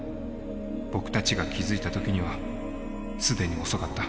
僕たちが気付いた時には既に遅かった。